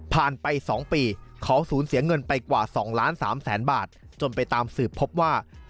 ความสืบพบว่าสาวใบป่าว